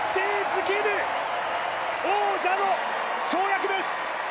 づける王者の跳躍です。